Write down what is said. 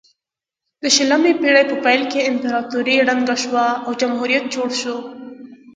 د شلمې پیړۍ په پیل کې امپراتوري ړنګه شوه او جمهوریت جوړ شو.